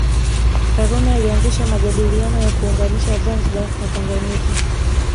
Karume alianzisha majadiliano ya kuunganisha Zanzibar na Tanganyika